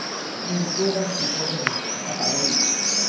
Yiwen ur as-yettruẓ aqerruy-is.